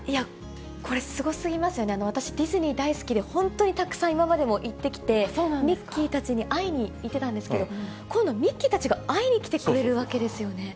これ、すごすぎますよね、私、ディズニー大好きで、本当にたくさん今までも行ってきて、ミッキーたちに会いに行ってたんですけど、こういうの、ミッキーたちが会いに来てくれるわけですよね。